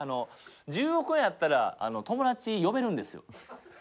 １０億円あったら友達呼べるんですよ。